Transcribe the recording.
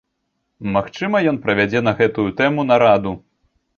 Магчыма, ён правядзе на гэтую тэму нараду.